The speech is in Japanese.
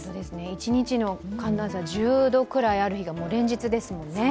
一日の寒暖差１０度くらいある日が連日ですもんね。